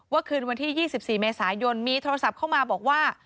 คืนวันที่๒๔เมษายนมีโทรศัพท์เข้ามาบอกว่า